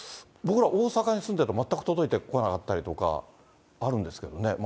僕ら、大阪に住んでると全く届いてこなかったりとかあるんですけどね。